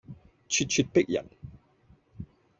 咄咄逼人